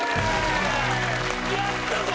やったぞ！